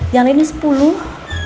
yang ini sepuluh